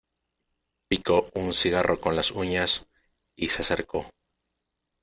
picó un cigarro con las uñas, y se acercó: